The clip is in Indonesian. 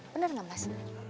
bener gak mas